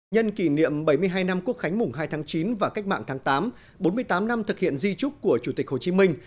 nhân kỷ niệm bảy mươi hai năm quốc khánh mùng hai tháng chín và cách mạng tháng tám bốn mươi tám năm thực hiện di trúc của chủ tịch hồ chí minh